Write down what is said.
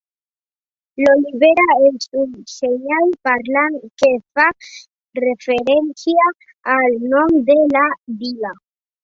L'olivera és un senyal parlant que fa referència al nom de la vila.